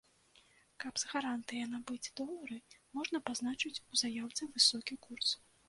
Каб з гарантыяй набыць долары, можна пазначыць у заяўцы высокі курс.